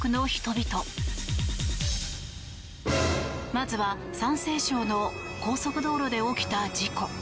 まずは山西省の高速道路で起きた事故。